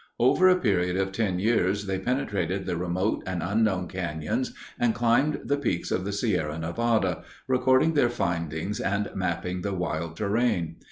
Over a period of ten years they penetrated the remote and unknown canyons and climbed the peaks of the Sierra Nevada, recording their findings and mapping the wild terrain.